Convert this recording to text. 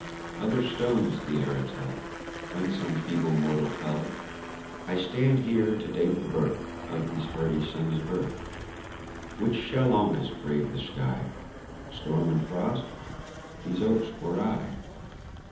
Other stones the era tell When some feeble mortal fell; I stand here to date the birth Of these hardy sons of earth. Which shall longest brave the sky, Storm and frost these oaks or I?